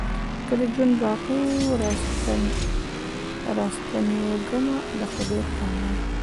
که ژوند باقي وو را ستنېږمه د خدای په امان